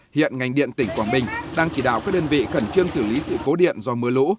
hiện ngành điện tỉnh quảng bình đang chỉ đạo các đơn vị khẩn trương xử lý sự cố điện do mưa lũ